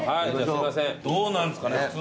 どうなんですかね？